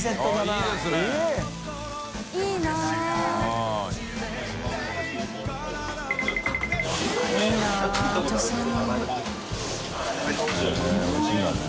悗А舛おいしいんだね。